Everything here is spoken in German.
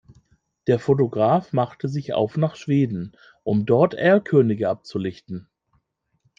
Der Fotograf machte sich auf nach Schweden, um dort Erlkönige abzulichten.